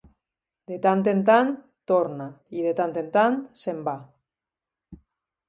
De tant en tant, torna i, de tant en tant, se'n va.